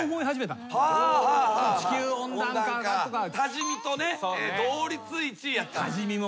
多治見と同率１位やった。